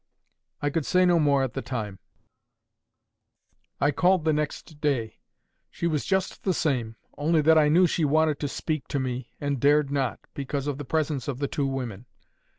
"I could say no more at that time. I called the next day. She was just the same, only that I knew she wanted to speak to me, and dared not, because of the presence of the two women.